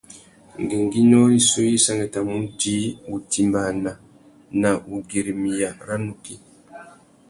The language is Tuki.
Ngüéngüinô rissú i sangüettamú udjï wutimbāna na wugüirimiya râ nukí.